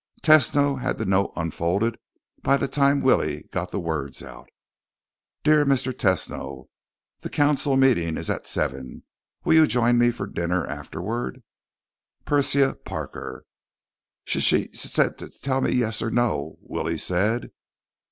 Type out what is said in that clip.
Tesno had the note unfolded by the time Willie got the words out. Dear Mr. Tesno: The council meeting is at seven. Will you join me for dinner afterward? Persia Parker "S she s said to t tell me yes or n no," Willie said.